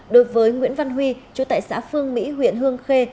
đối với nguyễn văn huy chú tại xã phương mỹ huyện hương khê